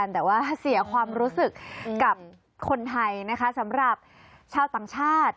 แต่ว่าเสียความรู้สึกกับคนไทยนะคะสำหรับชาวต่างชาติ